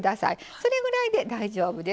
それぐらいで大丈夫です。